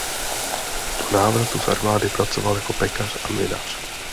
Po návratu z armády pracoval jako pekař a mlynář.